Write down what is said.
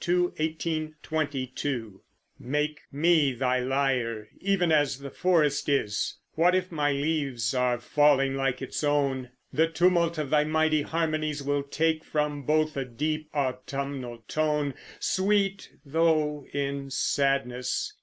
PERCY BYSSHE SHELLEY (1792 1822) Make me thy lyre, even as the forest is: What if my leaves are falling like its own! The tumult of thy mighty harmonies Will take from both a deep, autumnal tone, Sweet though in sadness.